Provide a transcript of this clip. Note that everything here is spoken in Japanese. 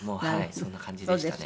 そんな感じでしたね。